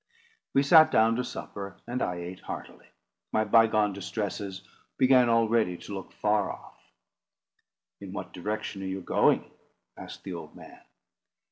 We sat down to supper, and I ate heartily. My bygone distresses began already to look far off. "In what direction are you going?" asked the old man.